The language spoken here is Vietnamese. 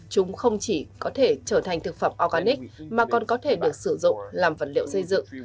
chúng không chỉ có thể trở thành thực phẩm organic mà còn có thể được sử dụng làm vật liệu xây dựng